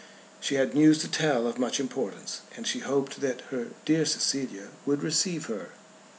She had news to tell of much importance, and she hoped that her "dear Cecilia" would receive her.